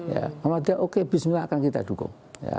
muhammadiyah oke bismillah akan kita dukung